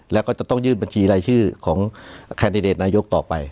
แล้วก็จะต้องยื่นบัญชีรายชื่อของแคนดิเดตนายกต่อไป